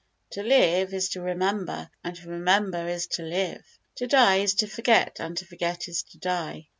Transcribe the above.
To live is to remember and to remember is to live. To die is to forget and to forget is to die.